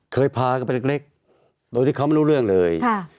เคยพากันไปเล็กโดยที่เขาไม่รู้เรื่องเลย